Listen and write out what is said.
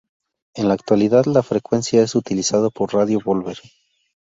En la actualidad, la frecuencia es utilizada por Radio Volver.